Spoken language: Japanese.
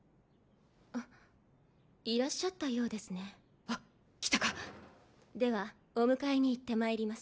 いらっしゃったようですねあっ来たかではお迎えに行ってまいります